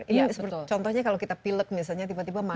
ini contohnya kalau kita pilek misalnya tiba tiba mati